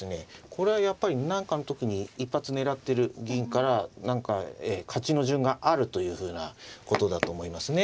これはやっぱり何かの時に一発狙ってる銀から何か勝ちの順があるというふうなことだと思いますね。